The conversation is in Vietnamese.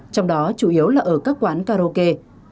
trong đó chủ yếu là ở các quán karaoke